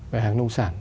về hàng nông sản